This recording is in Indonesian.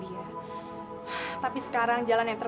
dan pelan pelan kamu hapus dia dari hati kamu